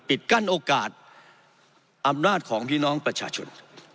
กั้นโอกาสอำนาจของพี่น้องประชาชน